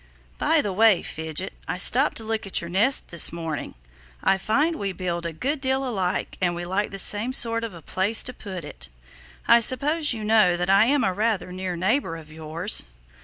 By the way, Fidget, I stopped to look at your nest this morning. I find we build a good deal alike and we like the same sort of a place to put it. I suppose you know that I am a rather near neighbor of yours?"